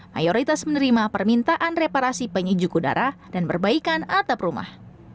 mayoritas menerima permintaan reparasi penyejuk udara dan perbaikan atap rumah